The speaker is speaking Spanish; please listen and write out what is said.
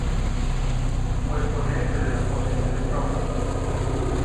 Fue ponente de la Ponencia de Prop.